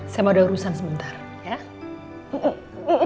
saya mau ada urusan sebentar ya